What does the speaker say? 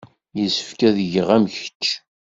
Yessefk ad geɣ am kečč.